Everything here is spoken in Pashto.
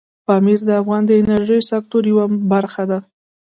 پامیر د افغانستان د انرژۍ سکتور یوه برخه ده.